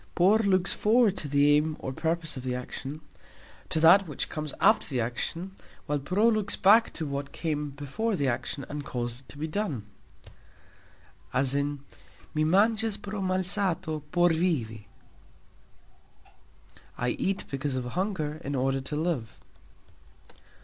"Por" looks "forward" to the aim or purpose of the action, to that which comes after the action, while "pro" looks "back" to what came before the action and caused it to be done, as "Mi mangxas" pro "malsato" por "vivi", I eat because of hunger in order to live.